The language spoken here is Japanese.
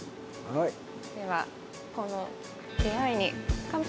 ではこの出会いに乾杯！